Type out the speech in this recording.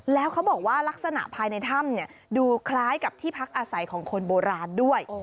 แล้วเขาบอกว่าลักษณะภายในถ้ำดูคล้ายกับที่พักอาศัยของคนโบราณด้วย